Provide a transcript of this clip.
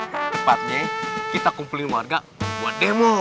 tepatnya kita kumpulin warga buat demo